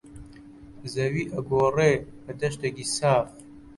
زەوی ئەگۆڕێ بە دەشتێکی ساف